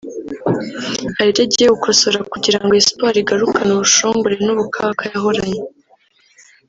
hari ibyo agiye gukosora vuba kugira ngo Espoir igarukane ubushongore n’ubukaka yahoranye